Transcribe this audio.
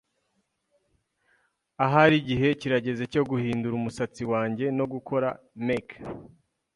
Ahari igihe kirageze cyo guhindura umusatsi wanjye no gukora make.